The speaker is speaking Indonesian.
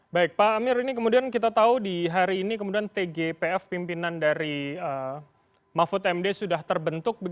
baik pak amir ini kemudian kita tahu di hari ini kemudian tgpf pimpinan dari mahfud md sudah terbentuk